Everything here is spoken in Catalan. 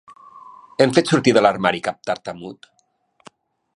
Hem fet sortir de l'armari cap tartamut?